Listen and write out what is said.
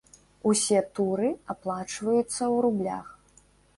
Усе туры аплачваюцца ў рублях.